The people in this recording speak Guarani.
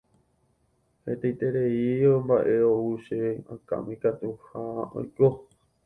Hetaiterei mba'e ou che akãme ikatuha oiko.